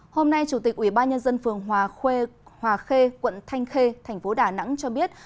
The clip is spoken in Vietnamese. hôm nay chủ tịch ủy ban nhân dân phường hòa khê quận thanh khê thành phố đà nẵng cho biết